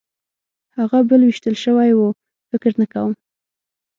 هغه بل وېشتل شوی و؟ فکر نه کوم.